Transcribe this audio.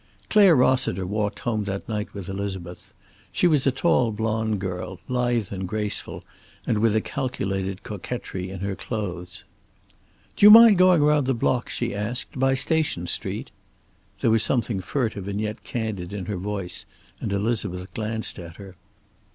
Clare Rossiter walked home that night with Elizabeth. She was a tall blonde girl, lithe and graceful, and with a calculated coquetry in her clothes. "Do you mind going around the block?" she asked. "By Station Street?" There was something furtive and yet candid in her voice, and Elizabeth glanced at her.